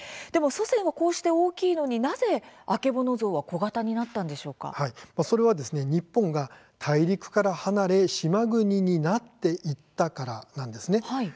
祖先はこうして大きいのになぜアケボノゾウは小型にそれは日本が大陸から離れ島国になっていったからなんです。